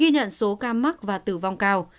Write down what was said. ghi nhận số ca mắc và tử vong cao